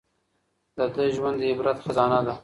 د ده ژوند د عبرت خزانه ده